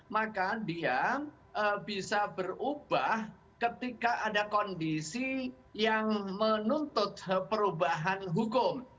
maka dia bisa berubah ketika ada kondisi yang menuntut perubahan hukum